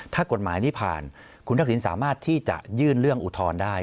ถ้ากฎหมายนี้ผ่านคุณทักษิณสามารถที่จะยื่นเรื่องอุทธรณ์ได้